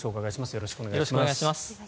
よろしくお願いします。